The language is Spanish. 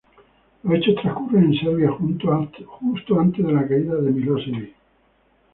Los hechos transcurren en Serbia, justo antes de la caída de Milosevic.